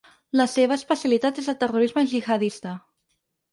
La seva especialitat és el terrorisme gihadista.